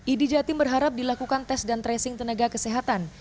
idi jatim berharap dilakukan tes dan tracing tenaga kesehatan